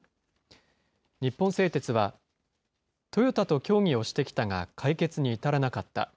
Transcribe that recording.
日本製鉄は、トヨタと協議をしてきたが解決に至らなかった。